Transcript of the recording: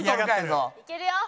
いけるよ！